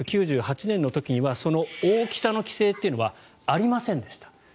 １９９８年の時にはその大きさの規制というのはありませんでした。